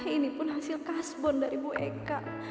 ini pun hasil kasbon dari bu eka